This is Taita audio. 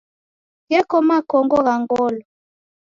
Gheko makongo gha ngolo.